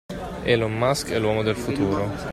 Elon Musk è l’uomo del futuro.